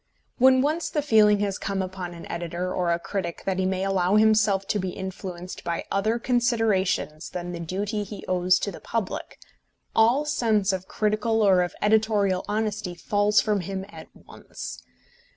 When once the feeling has come upon an editor or a critic that he may allow himself to be influenced by other considerations than the duty he owes to the public, all sense of critical or of editorial honesty falls from him at once.